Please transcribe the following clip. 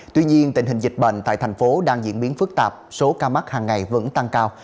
tuy nhiên tình hình dịch bệnh tại tp hcm đang diễn biến phức tạp số ca mắc hàng ngày vẫn tăng cao